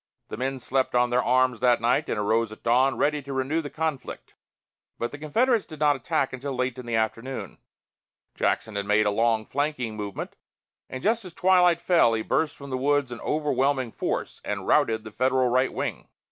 The men slept on their arms that night, and arose at dawn, ready to renew the conflict. But the Confederates did not attack until late in the afternoon. Jackson had made a long flanking movement, and just as twilight fell, he burst from the woods in overwhelming force and routed the Federal right wing.